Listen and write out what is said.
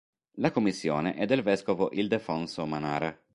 La commissione è del vescovo Ildefonso Manara.